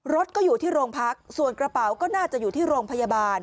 รถก็อยู่ที่โรงพักส่วนกระเป๋าก็น่าจะอยู่ที่โรงพยาบาล